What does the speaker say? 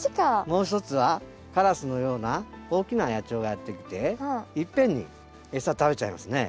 もう一つはカラスのような大きな野鳥がやって来て一遍に餌食べちゃいますね。